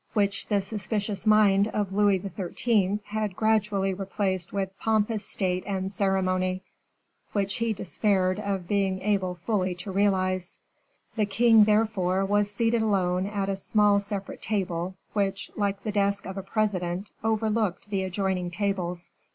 which the suspicious mind of Louis XIII. had gradually replaced with pompous state and ceremony, which he despaired of being able fully to realize. The king, therefore, was seated alone at a small separate table, which, like the desk of a president, overlooked the adjoining tables.